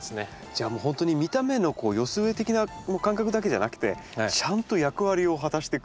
じゃあもう本当に見た目の寄せ植え的な感覚だけじゃなくてちゃんと役割を果たしてくれますね。